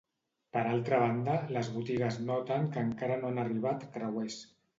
Per altra banda, les botigues noten que encara no han arribat creuers.